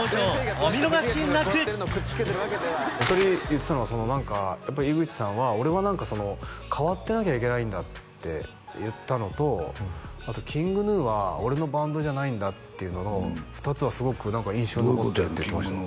お見逃しなく２人言ってたのが何かやっぱ井口さんは俺は何か変わってなきゃいけないんだって言ったのとあとＫｉｎｇＧｎｕは俺のバンドじゃないんだっていうのの２つはすごく何か印象に残ってるって聞きました